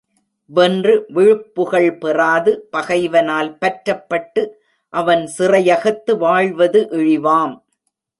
வென்று விழுப்புகழ் பெறாது, பகைவனால் பற்றப்பட்டு, அவன் சிறையகத்து வாழ்வது இழிவாம்.